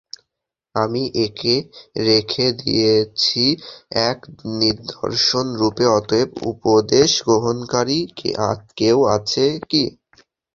আমি একে রেখে দিয়েছি এক নিদর্শনরূপে, অতএব উপদেশ গ্রহণকারী কেউ আছে কি?